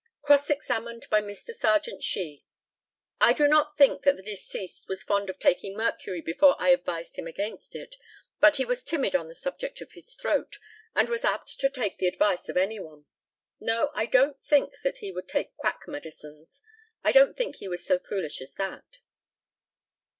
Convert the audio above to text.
Cross examined by Mr. Serjeant SHEE: I do not think that the deceased was fond of taking mercury before I advised him against it; but he was timid on the subject of his throat, and was apt to take the advice of any one. No; I don't think that he would take quack medicines. I don't think he was so foolish as that.